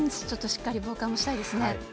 ちょっとしっかり防寒をしたいですね。